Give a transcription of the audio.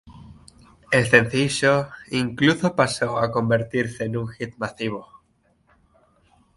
El sencillo incluso pasó a convertirse en un hit masivo.